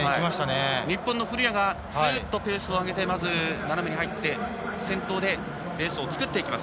日本の古屋がペースを上げてまず斜めに入って先頭でレースを作っていきます。